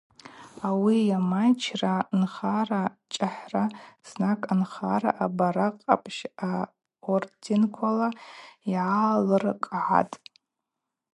Ауи йамайчра нхара Чӏахӏра знак, Анхара абаракъ къапщ орденквала йгӏалыркӏгӏатӏ.